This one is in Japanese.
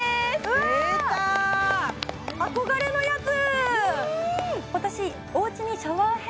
出た憧れのやつ！